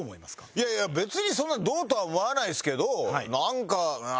いやいや別にそんなどうとは思わないですけどなんか。